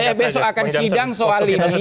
saya besok akan sidang soal ini di sembilan tiga puluh